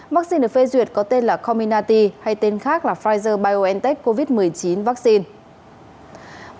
vaccine được phê duyệt có tên là cominati hay tên khác là pfizer biontech covid một mươi chín vaccine